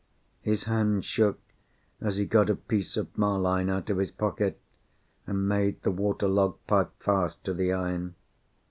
His hand shook as he got a piece of marline out of his pocket, and made the water logged pipe fast to the iron.